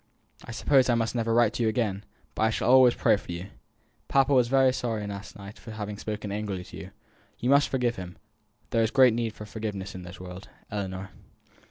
I suppose I must never write to you again: but I shall always pray for you. Papa was very sorry last night for having spoken angrily to you. You must forgive him there is great need for forgiveness in this world. ELLINOR."